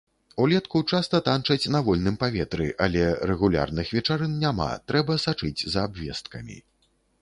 Улетку часта танчаць на вольным паветры, але рэгулярных вечарын няма, трэба сачыць за абвесткамі.